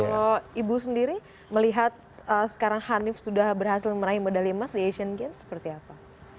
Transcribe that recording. kalau ibu sendiri melihat sekarang hanif sudah berhasil meraih medali emas di asian games seperti apa